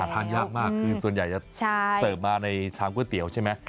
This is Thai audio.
ทานยากมากคือส่วนใหญ่จะเสิร์ฟมาในชามก๋วยเตี๋ยวใช่ไหม